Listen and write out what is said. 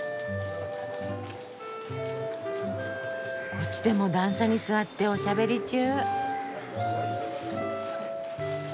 こっちでも段差に座っておしゃべり中。